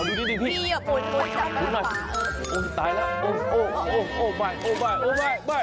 ตายแล้ว